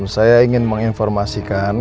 saya ingin menginformasikan